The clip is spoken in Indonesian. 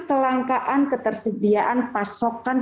kelangkaan ketersediaan pasokan